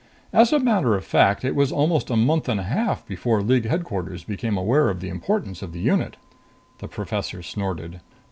"As a matter of fact, it was almost a month and a half before League Headquarters became aware of the importance of the unit." The professor snorted.